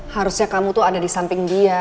harusnya kamu tuh ada di samping dia